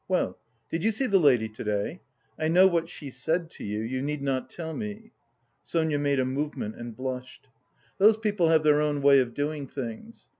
Well, did you see the lady to day? I know what she said to you, you need not tell me." (Sonia made a movement and blushed.) "Those people have their own way of doing things.